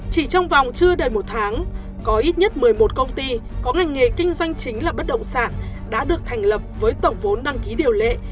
chỉ trong vòng chưa đầy một tháng có ít nhất một mươi một công ty có ngành nghề kinh doanh chính là bất động sản đã được thành lập với tổng vốn đăng ký điều lệ